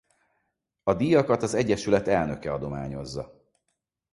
A díjakat az egyesület elnöke adományozza.